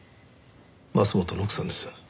桝本の奥さんです。